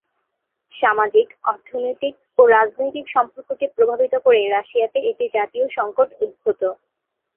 সামাজিক, অর্থনৈতিক ও রাজনৈতিক সম্পর্ককে প্রভাবিত করে রাশিয়াতে একটি জাতীয় সংকট উদ্ভূত।